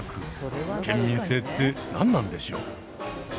県民性って何なんでしょう。